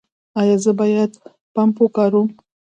ایا زه باید پمپ وکاروم؟